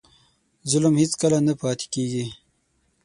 ظلم هېڅکله نه پاتې کېږي.